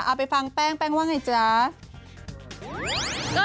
เอาไปฟังแป้งแป้งว่าอย่างไรจ๊ะ